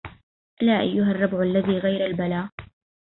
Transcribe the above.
ألا أيها الربع الذي غير البلى